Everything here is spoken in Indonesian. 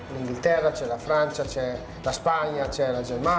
di inggris di francia di spanyol di jerman